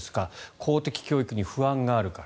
公的教育に不安があるから。